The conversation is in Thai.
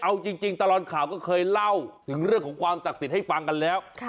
เอาจริงตลอดข่าวก็เคยเล่าถึงเรื่องของความศักดิ์สิทธิ์ให้ฟังกันแล้ว